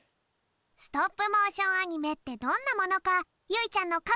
ストップモーションアニメってどんなものかゆいちゃんのか